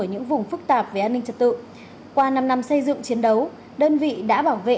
ở những vùng phức tạp về an ninh trật tự qua năm năm xây dựng chiến đấu đơn vị đã bảo vệ